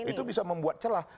itu bisa membuat celah